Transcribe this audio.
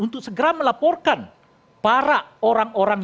untuk segera melaporkan para orang orang